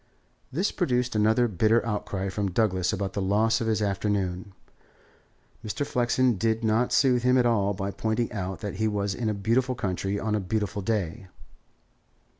This produced another bitter outcry from Douglas about the loss of his afternoon. Mr. Flexen did not soothe him at all by pointing out that he was in a beautiful country on a beautiful day.